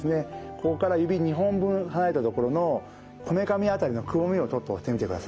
ここから指２本分離れたところのこめかみ辺りのくぼみをちょっと押してみてください。